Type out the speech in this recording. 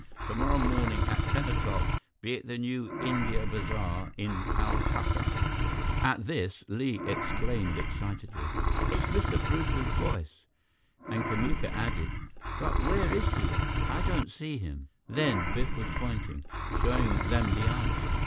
Tomorrow morning, at ten o'clock, be at the New India Bazaar in Calcutta " At this, Li exclaimed excitedly, "It's Mr. Brewster's voice!" and Kamuka added, "But where is he? I don't see him?" Then, Biff was pointing, showing them the answer.